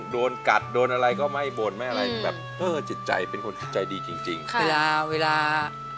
โดนกัดโดนอะไรก็ไม่บ่นไม่อะไรแบบเออจิตใจเป็นคนจิตใจดีจริงจริงค่ะเวลาเวลา